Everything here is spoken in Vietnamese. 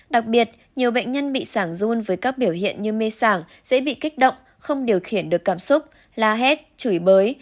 đặc biệt nhiều bệnh nhân bị sảngun với các biểu hiện như mê sảng dễ bị kích động không điều khiển được cảm xúc la hét chửi bới